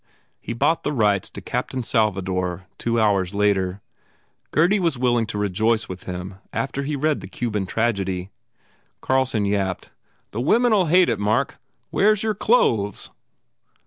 He bought the rights to "Captain Salvador" two hours later. Gurdy was willing to rejoice with him after he read the Cuban tragedy. Carl son yapped, "The women ll hate it, Mark. Where s your clothes?"